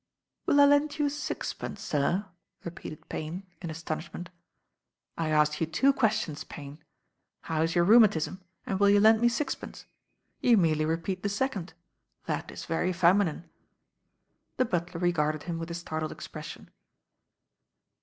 "Will I lend you sixpence, sir?" repeated Payne, in astonishment. "I asked you two questions, Payne. Kow is your rheumatism, and will you lend me sixpence? You merely repeat the second; that is very feminine." The butler regarded him with a startled expres sion.